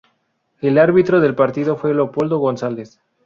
El árbitro del partido fue Leopoldo González.